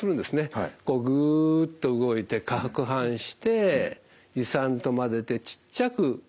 こうぐっと動いてかくはんして胃酸と混ぜてちっちゃく